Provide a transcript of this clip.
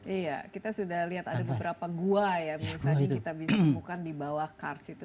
iya kita sudah lihat ada beberapa gua ya misalnya kita bisa temukan di bawah kars itu